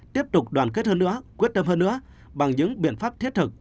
tiếp tục đoàn kết hơn nữa quyết tâm hơn nữa bằng những biện pháp thiết thực